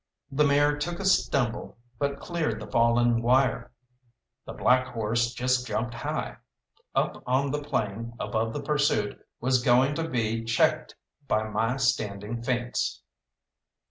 The mare took a stumble, but cleared the fallen wire. The black horse just jumped high. Up on the plain above the pursuit was going to be checked by my standing fence.